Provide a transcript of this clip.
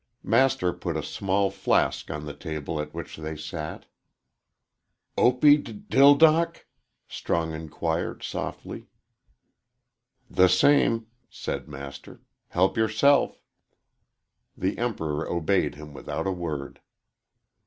Master put a small flask on the table at which they sat. "Opey d dildock?" Strong inquired, softly. "The same," said Master. "Help yourself." The Emperor obeyed him without a word.